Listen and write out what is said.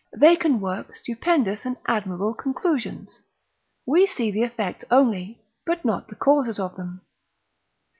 they can work stupendous and admirable conclusions; we see the effects only, but not the causes of them.